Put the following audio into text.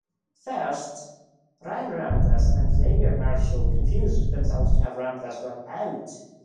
First, Ryan Ramdass and Xavier Marshall confused themselves to have Ramdass run out.